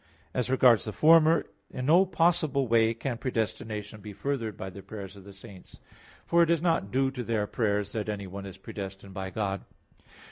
As regards the former, in no possible way can predestination be furthered by the prayers of the saints. For it is not due to their prayers that anyone is predestined by God.